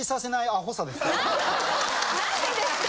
何でですか？